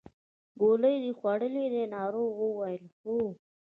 ګولۍ دې خوړلې دي ناروغ وویل هو.